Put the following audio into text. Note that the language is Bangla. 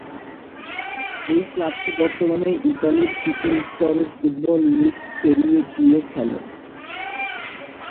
এই ক্লাবটি বর্তমানে ইতালির তৃতীয় স্তরের ফুটবল লীগ সেরিয়ে চি-এ খেলে।